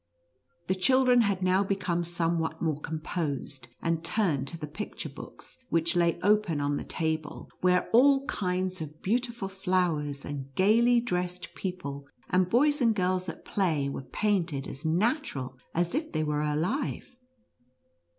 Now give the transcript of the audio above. The children had now become somewhat more composed, and turned to the picture books, which lay open on the table, where all kinds of beautiful flowers, and gayly dressed people, and boys and girls at play, were painted as natural as if they were alive.